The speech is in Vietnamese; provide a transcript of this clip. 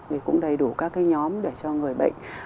thì cũng đầy đủ các cái nhóm để cho người bệnh